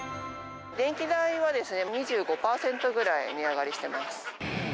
電気代はですね、２５％ぐらい値上がりしてます。